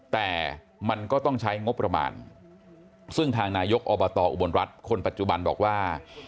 แต่มันก็ต้องใช้งบประมาณซึ่งทางนายกอบตอุบลรัฐคนปัจจุบันบอกว่า